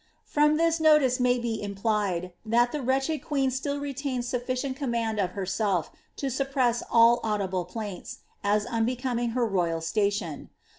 ^ From this notice may be implied, thst the wretched queen still retained sufficient command of herself to snppicsi all audible plaints, as unbecoming her roytl station.